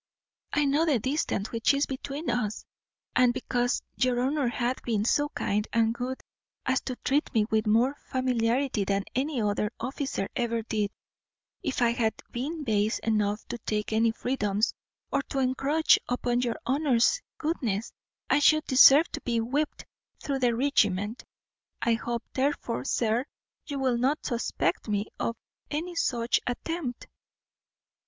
I know the distance which is between us; and, because your honour hath been so kind and good as to treat me with more familiarity than any other officer ever did, if I had been base enough to take any freedoms, or to encroach upon your honour's goodness, I should deserve to be whipt through the regiment. I hope, therefore, sir, you will not suspect me of any such attempt."